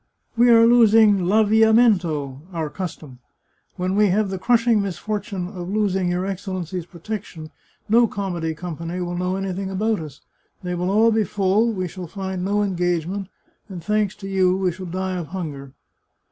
" We are losing I'amnamento [our cus tom]. When we have the crushing misfortune of losing your Excellency's protection, no comedy company will know anything about us. They will all be full, we shall find no engagement, and, thanks to you, we shall die of hunger."